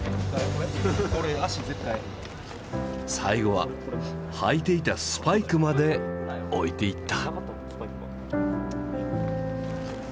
最後は履いていたスパイクまで置いていった。